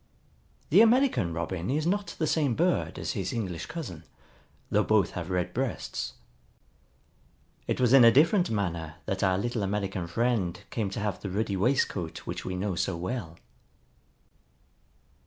The American Robin is not the same bird as his English cousin, though both have red breasts. It was in a different manner that our little American friend came to have the ruddy waistcoat which we know so well.